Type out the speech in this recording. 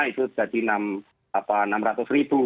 itu jadi enam ratus ribu